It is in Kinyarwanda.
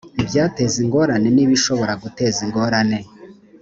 ibyateza ingorane n’ibishobora guteza ingorane